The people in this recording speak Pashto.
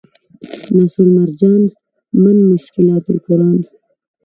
نصرالمرجان من مشکلات القرآن